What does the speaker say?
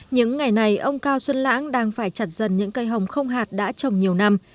những ngày này ông cao xuân lãng đang phải chặt dần những cây hồng không hạt đã trồng nhiều năm